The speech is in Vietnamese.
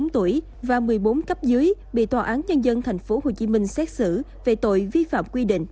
một mươi tám tuổi và một mươi bốn cấp dưới bị tòa án nhân dân tp hcm xét xử về tội vi phạm quy định